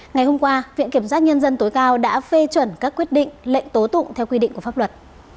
ngày hôm qua viện kiểm sát nhân dân tối cao đã phê chuẩn các quyết định lệnh tố tụng theo quy định của pháp luật